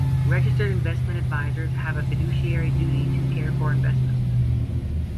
Registered investment advisors have a fiduciary duty to care for investments.